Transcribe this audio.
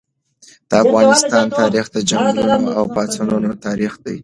د افغانستان تاریخ د جنګونو او پاڅونونو تاریخ دی.